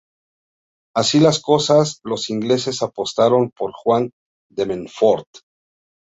Así las cosas, los ingleses apostaron por Juan de Montfort.